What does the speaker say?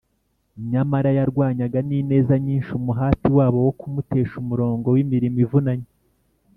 nyamara yarwanyaga n’ineza nyinshi umuhati wabo wo kumutesha umurongo w’imirimo ivunanye